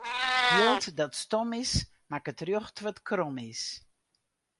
Jild dat stom is, makket rjocht wat krom is.